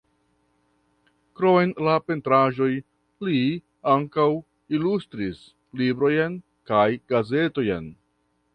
Krom la pentraĵoj li ankaŭ ilustris librojn kaj gazetojn.